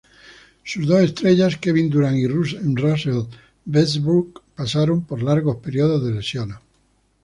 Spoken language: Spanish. Sus dos estrellas, Kevin Durant y Russell Westbrook pasaron por largos periodos de lesiones.